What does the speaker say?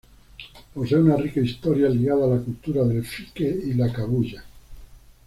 Posee una rica historia ligada a la cultura del fique y la "cabuya".